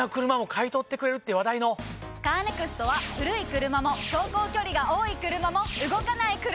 カーネクストは古い車も走行距離が多い車も動かない車でも。